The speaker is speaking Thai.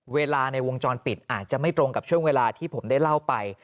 เวลาในวงจรปิดอาจจะไม่ตรงกับช่วงเวลาที่ผมได้เล่าไป